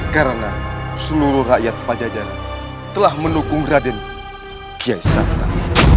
karena seluruh rakyat pajajara telah mendukung raden kiai santan